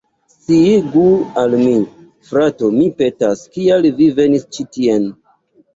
Sciigu al mi, frato, mi petas, kial vi venis ĉi tien.